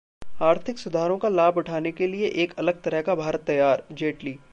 आर्थिक सुधारों का लाभ उठाने के लिए एक अलग तरह का भारत तैयार: जेटली